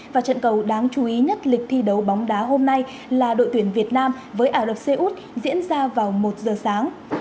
và trận cầu đáng chú ý nhất lịch thi đấu bóng đá hôm nay là đội tuyển việt nam với ả rập xê út diễn ra vào một giờ sáng